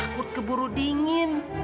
takut keburu dingin